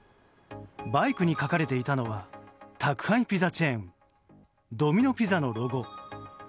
バイクに描かれていたのは宅配ピザチェーンドミノ・ピザのロゴ。